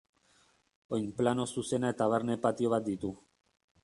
Oinplano zuzena eta barne patio bat ditu.